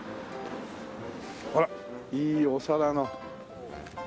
ほらいいお皿の。